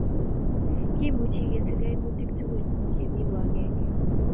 kimuchi ke sir kaimutik tugul kemi ko akenge